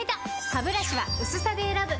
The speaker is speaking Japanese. ハブラシは薄さで選ぶ！